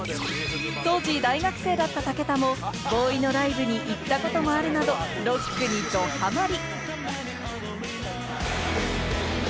当時、大学生だった武田もＢＯＯＷＹのライブに行ったこともあるなど、ロックにどハマリ！